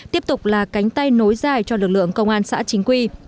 tiếp tục là cánh tay nối dài cho lực lượng công an xã chính quy